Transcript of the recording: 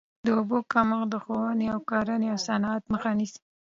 د اوبو کمښت د ښووني، کرهڼې او صنعت مخه نیسي.